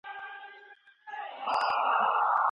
ښه مقام یوازي با استعداده کسانو ته نه سي ورکول کېدلای.